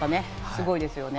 すごいですね。